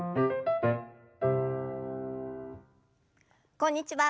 こんにちは